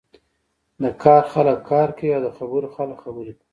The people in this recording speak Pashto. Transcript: د کار خلک کار کوی او د خبرو خلک خبرې کوی.